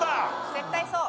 絶対そう！